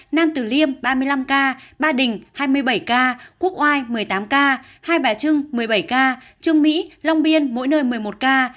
nam tử liêm ba mươi năm ca ba đình hai mươi bảy ca quốc oai một mươi tám ca hai bà trưng một mươi bảy ca trương mỹ long biên mỗi nơi một mươi một ca